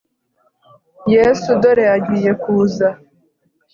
Yesu dore agiye kuza